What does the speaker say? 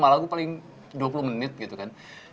lima lagu paling dua puluh menit gitu kan